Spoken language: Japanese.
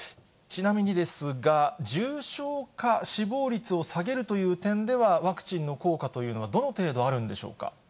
ちなみにですが、重症化、死亡率を下げるという点では、ワクチンの効果というのは、どの程度あるんでしょうか。